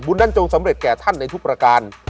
นั้นจงสำเร็จแก่ท่านในทุกประการ